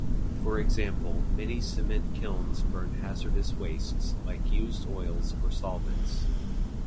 For example, many cement kilns burn hazardous wastes like used oils or solvents.